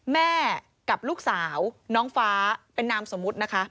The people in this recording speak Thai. แม่กับลูกสาวน้องฟ้าเป็นนามสมมุตินะคะ